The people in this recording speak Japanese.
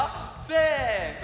せの！